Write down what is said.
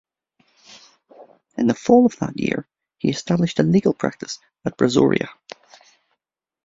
In the fall of that year, he established a legal practice at Brazoria.